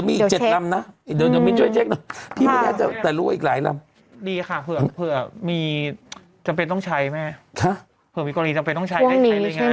มีจำเป็นต้องใช้ไหมห่ะเผิดมีกรีย์จำเป็นต้องใช้ได้ใช้เลยไงอืม